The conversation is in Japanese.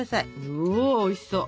うわおいしそう！